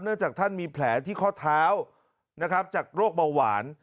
จากท่านมีแผลที่ข้อเท้านะครับจากโรคเบาหวาน